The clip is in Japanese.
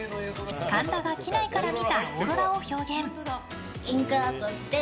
神田が機内から見たオーロラを表現。